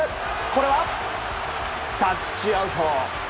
これはタッチアウト。